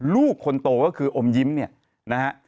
ลูกคนโตก็คืออมยิ้มเนี่ยนะฮะ